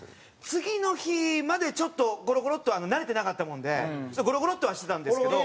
次の日までちょっとゴロゴロッと慣れてなかったものでちょっとゴロゴロッとはしてたんですけど。